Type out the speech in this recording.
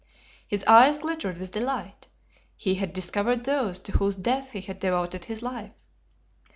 His eyes glittered with delight. He had discovered those to whose death he had devoted his life.